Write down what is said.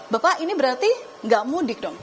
bapak ini berarti nggak mudik dong